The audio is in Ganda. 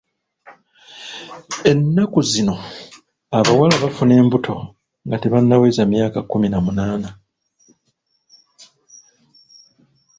Ennaku zino abawala bafuna embuto nga tebannaweza myaka kkumi na munaana.